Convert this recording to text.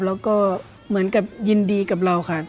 แล้วก็เหมือนกับยินดีกับเราค่ะ